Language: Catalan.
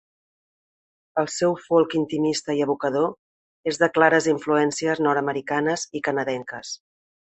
El seu folk intimista i evocador és de clares influències nord-americanes i canadenques.